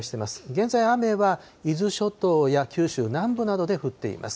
現在、雨は伊豆諸島や九州南部などで降っています。